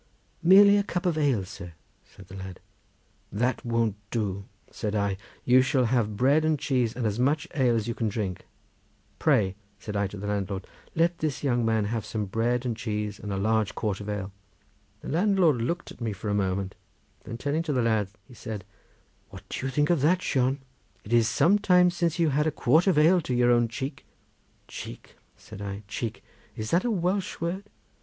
"Merely a cup of ale, sir," said the lad. "That won't do," said I; "you shall have bread and cheese and as much ale as you can drink. Pray," said I to the landlord, "let this young man have some bread and cheese and a large quart of ale." The landlord looked at me for a moment, then turning to the lad he said: "What do you think of that, Shon? It is some time since you had a quart of ale to your own cheek." "Cheek," said I, "cheek! Is that a Welsh word?